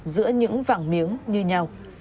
giữa những vàng miếng như nhau